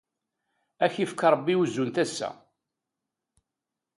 Ad ak-yefk Rebbi uzu n tasa.